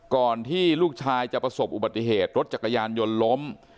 ก่อนที่ลูกชายจะประสบอุบัติเหตุรถจักรยานยนต์ล้ม